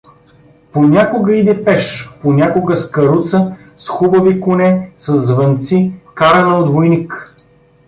Понякога иде пеш, понякога с каруца, с хубави коне, със звънци, карана от войник.